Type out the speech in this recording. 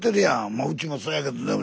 まあうちもそやけど。